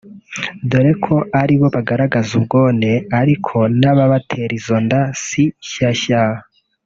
dore ko aribo bagaragaza ubwone ariko n’ababatera izo nda si shyashya